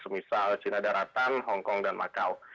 misal cina daratan hongkong dan macau